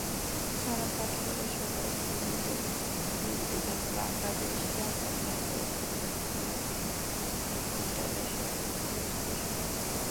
ছড়া পাঠ করে শোনায় সিলেটের গীতবিতান বাংলাদেশ, ঢাকার ম্যাপললিফ ইন্টারন্যাশনাল স্কুলের শিশুরা।